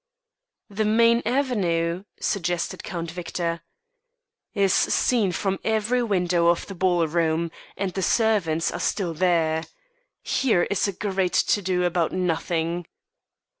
"The main avenue " suggested Count Victor. "Is seen from every window of the ball room, and the servants are still there. Here is a great to do about nothing!"